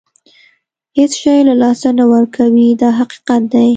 هېڅ شی له لاسه نه ورکوي دا حقیقت دی.